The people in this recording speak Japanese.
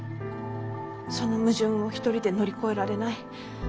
その矛盾を一人で乗り越えられない。